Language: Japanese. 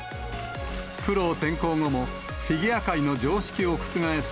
プロ転向後もフィギュア界の常識を覆す